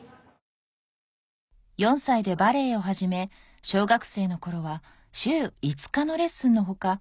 ４歳でバレエを始め小学生の頃は週５日のレッスンの他